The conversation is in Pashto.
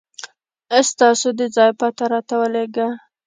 ستاسو د ځای پته راته ولېږه